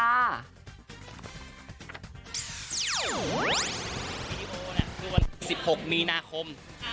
วัน๑๖มีนาคม